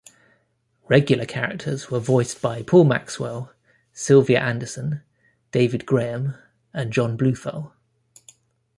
Regular characters were voiced by Paul Maxwell, Sylvia Anderson, David Graham and John Bluthal.